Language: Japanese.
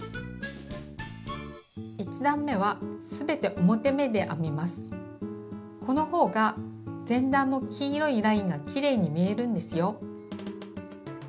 １段めはこの方が前段の黄色いラインがきれいに見えるんですよ。